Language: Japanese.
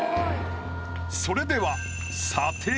それでは。